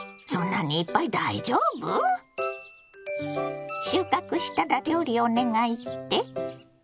そんなにいっぱい大丈夫？収穫したら料理お願いって？